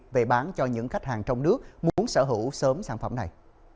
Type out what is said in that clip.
về bán cho những khách hàng trong nước muốn sở hữu sớm sản phẩm này